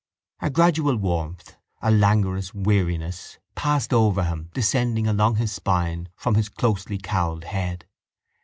A gradual warmth, a languorous weariness passed over him descending along his spine from his closely cowled head.